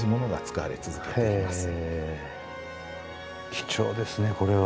貴重ですねこれは。